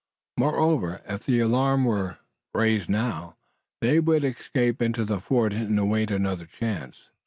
Moreover, if the alarm were raised now, they would escape into the fort, and await another chance.